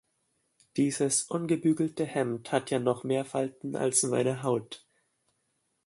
Dieses ungebügelte Hemd hat ja noch mehr Falten als meine Haut.